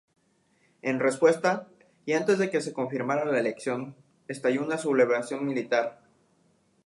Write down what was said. En respuesta, y antes de que se confirmara la elección, estalló una sublevación militar.